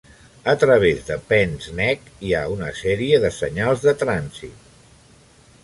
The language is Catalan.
A través de Penns Neck hi ha una sèrie de senyals de trànsit.